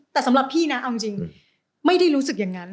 แต่สำหรับพี่นะเอาจริงไม่ได้รู้สึกอย่างนั้น